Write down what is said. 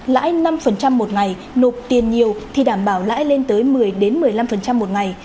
lãi năm một ngày nộp tiền nhiều thì đảm bảo lãi lên tới một mươi một mươi năm một ngày